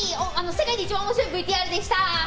世界で一番面白いＶＴＲでした。